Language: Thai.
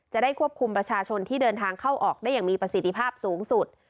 จะได้ควบคุมประชาชนที่เดินทางเข้าออกได้อย่างมีประสิทธิภาพสูงสุด